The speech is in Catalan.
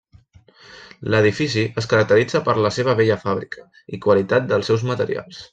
L'edifici es caracteritza per la seva bella fàbrica i qualitat dels seus materials.